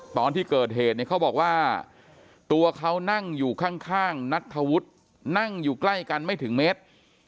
ตอนที่เกิดเหตุเนี่ยเขาบอกว่าตัวเขานั่งอยู่ข้างนัทธวุฒินั่งอยู่ใกล้กันไม่ถึงเมตร